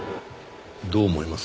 どう思います？